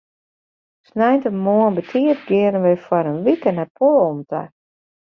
Sneintemoarn betiid geane wy foar in wike nei Poalen ta.